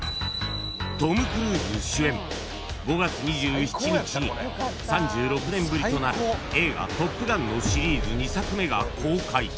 ［トム・クルーズ主演５月２７日に３６年ぶりとなる映画『トップガン』のシリーズ２作目が公開］